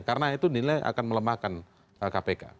karena itu nilai akan melemahkan kpk